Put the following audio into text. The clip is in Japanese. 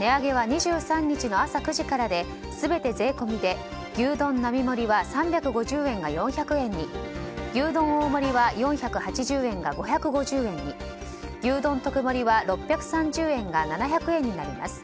値上げは２３日の朝９時からで全て税込で牛丼並盛は３５０円が４００円に牛丼大盛は４８０円が５５０円に牛丼特盛は６３０円が７００円になります。